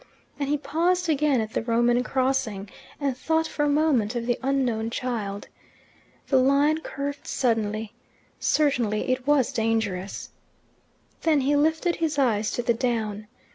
And he paused again at the Roman crossing, and thought for a moment of the unknown child. The line curved suddenly: certainly it was dangerous. Then he lifted his eyes to the down.